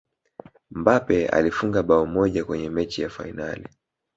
mbappe alifunga bao moja kwenye mechi ya fainali